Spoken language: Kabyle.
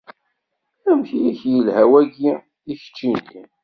Amek i ak-yelḥa wagi i keččini?